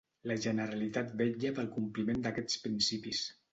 La Generalitat vetlla pel compliment d'aquests principis.